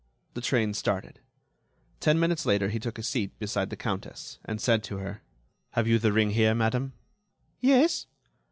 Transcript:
The train started. Ten minutes later he took a seat beside the Countess, and said to her: "Have you the ring here, madame?" "Yes."